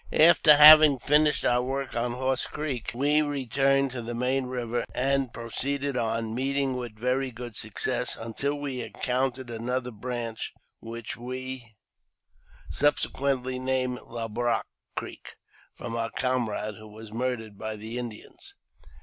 'After having finished our work on Horse Creek, we returned to the main river, and proceeded on, meeting with very good success, until we encountered another branch, which we sub 70 AUTOBIOGBAPHY OF sequently named Le Brache Creek, from our comrade who was murdered by the Indians.